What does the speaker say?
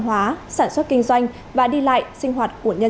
các biện pháp phòng chống dịch đã gây ra nhiều khó khăn cho doanh nghiệp